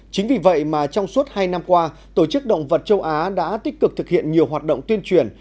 chính vì vậy mà trong suốt hai năm qua tổ chức động vật châu á đã tích cực thực hiện nhiều hoạt động tuyên truyền